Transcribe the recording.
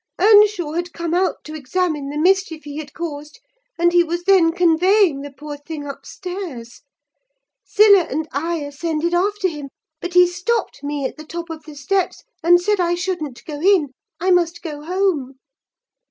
Earnshaw had come out to examine the mischief he had caused, and he was then conveying the poor thing upstairs. Zillah and I ascended after him; but he stopped me at the top of the steps, and said I shouldn't go in: I must go home.